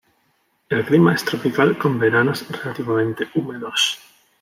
El clima es tropical, con veranos relativamente húmedos.